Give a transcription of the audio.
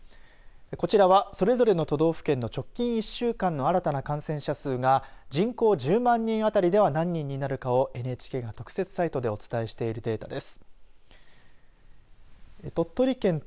こちらはそれぞれの都道府県の直近１週間の新たな感染者数が人口１０万人当たりでは何人になるかをＮＨＫが特設サイトでお伝えしているデータです。